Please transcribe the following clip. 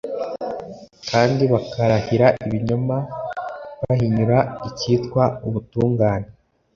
kandi bakarahira ibinyoma, bahinyura icyitwa ubutungane.